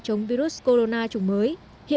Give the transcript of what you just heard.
chống virus covid một mươi chín